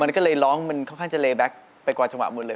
มันก็เลยร้องมันค่อนข้างจะเลแบ็คไปกว่าจังหวะหมดเลย